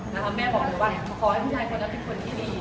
แม่บอกเลยว่าขอให้ผู้ชายคนนั้นเป็นคนที่ดี